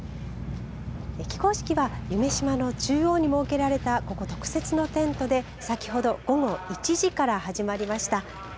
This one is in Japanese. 起工式は夢洲の中央に設けられた、ここ特設のテントで先ほど午後１時から始まりました。